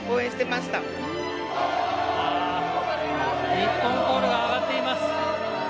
日本コールが上がっています。